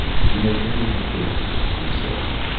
"You may bring in the prisoner," he said.